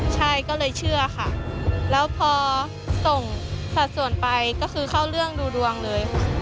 ใช่ก็เลยเชื่อค่ะแล้วพอส่งสัดส่วนไปก็คือเข้าเรื่องดูดวงเลยค่ะ